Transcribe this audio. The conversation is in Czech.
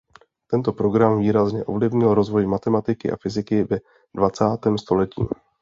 Tento program výrazně ovlivnil rozvoj matematiky a fyziky ve dvacátém století.